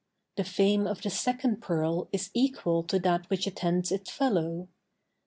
The fame of the second pearl is equal to that which attends its fellow.